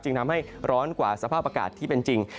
ทำให้ร้อนกว่าสภาพอากาศที่เป็นจริง